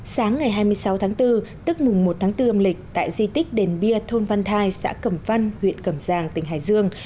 sáng ngày hai mươi sáu tháng bốn tức mùng một tháng bốn âm lịch tại di tích đền bia thôn văn thai xã cẩm văn huyện cầm giang tỉnh hải dương